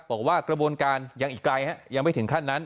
บอกว่ากระบวนการยังอีกไกลยังไม่ถึงขั้นนั้น